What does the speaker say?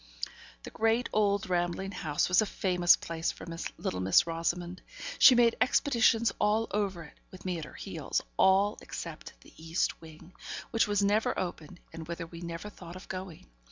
The great, old rambling house was a famous place for little Miss Rosamond. She made expeditions all over it, with me at her heels; all, except the east wing, which was never opened, and whither we never thought of going.